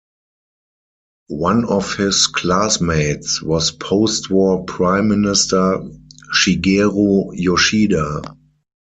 One of his classmates was postwar Prime Minister Shigeru Yoshida.